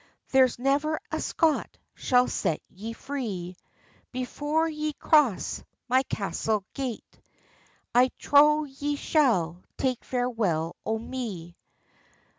There's never a Scot shall set ye free: Before ye cross my castle yate, I trow ye shall take farewell o me."